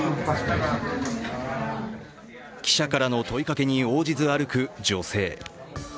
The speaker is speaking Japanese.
記者からの問いかけに応じず歩く女性。